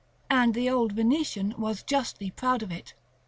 And the old Venetian was justly proud of it.